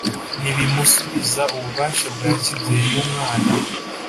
ntibimusubiza ububasha bwa kibyeyi iyo umwana